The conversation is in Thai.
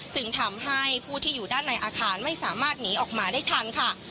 จึงทำให้ผู้ที่อยู่ด้านในอาคารไม่สามารถหนีออกมาได้ทันค่ะ